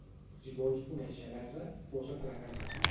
Si vols conèixer l'ase, posa-te'l a casa.